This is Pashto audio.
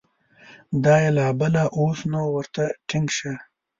دا یې لا بله ، اوس نو ورته ټینګ شه !